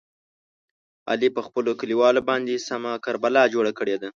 علي په خپلو کلیوالو باندې سمه کربلا جوړه کړې ده.